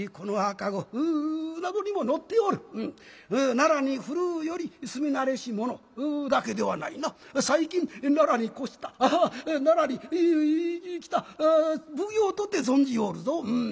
奈良に古うより住み慣れし者だけではないな最近奈良に越した奈良に来た奉行とて存じおるぞうん。